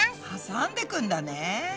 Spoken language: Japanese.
挟んでくんだね。